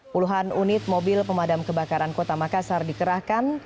puluhan unit mobil pemadam kebakaran kota makassar dikerahkan